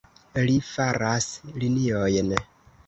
Ri faras liniojn.